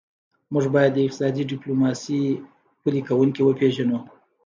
موږ باید د اقتصادي ډیپلوماسي پلي کوونکي وپېژنو